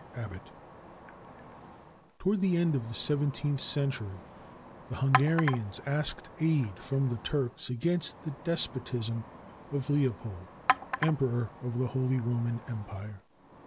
ABBOTT [Toward the end of the seventeenth century, the Hunga rians asked aid from the Turks against the despotism of Leo pold, Emperor of the Holy Roman Empire.